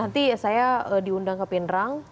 nanti saya diundang ke pinerang